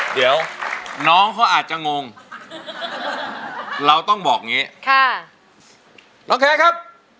เดี๋ยวน้องเขาอาจจะงงเราต้องบอกอย่างนี้ค่ะน้องแขกครับ